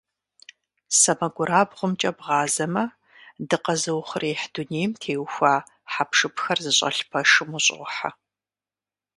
СэмэгурабгъумкӀэ бгъазэмэ, дыкъэзыухъуреихь дунейм теухуа хьэпшыпхэр зыщӏэлъ пэшым ущӀохьэ.